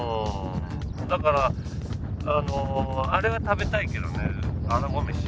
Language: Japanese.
だからあのあれは食べたいけどね。